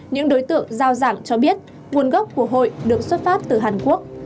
những đối tượng giao giảng cho biết nguồn gốc của hội được xuất phát từ hàn quốc